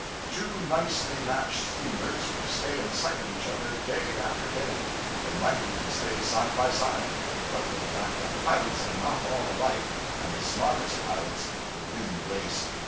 Two nicely matched steamers will stay in sight of each other day after day. They might even stay side by side, but for the fact that pilots are not all alike, and the smartest pilots will win the race.